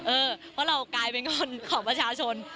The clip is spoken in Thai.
เพราะเรากลายเป็นคนของประชาชน